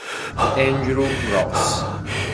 Andrew Gross